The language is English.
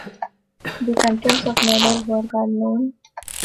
The contents of neither work are known.